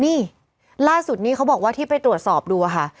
นี่ล่าสุดนี้เขาบอกว่าที่ไปตรวจสอบดูค่ะ